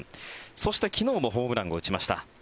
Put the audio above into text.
そして、昨日もホームランを打ちました。